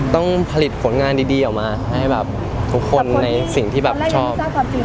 ต้องผลิตผลงานดีออกมาให้แบบทุกคนในสิ่งที่แบบชอบ